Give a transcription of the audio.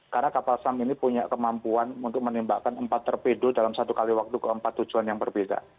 karena kapal selam ini punya kemampuan untuk menembakkan empat torpedo dalam satu kali waktu ke empat tujuan yang berbeda